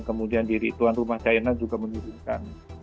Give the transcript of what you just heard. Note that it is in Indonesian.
kemudian di rituan rumah china juga menyusulkan